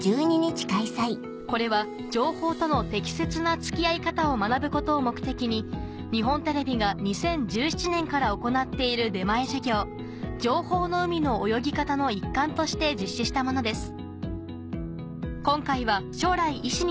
これは情報との適切な付き合い方を学ぶことを目的に日本テレビが２０１７年から行っている出前授業「情報の海の泳ぎ方」の一環として実施したものです